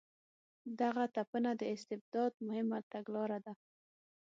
دغه تپنه د استبداد مهمه تګلاره ده.